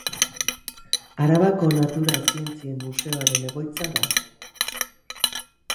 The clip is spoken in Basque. Arabako Natura Zientzien museoaren egoitza da.